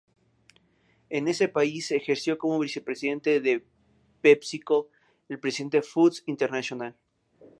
En ese país ejerció como vicepresidente de Pepsico y presidente de Foods International.